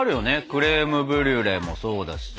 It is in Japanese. クレームブリュレもそうだしさ。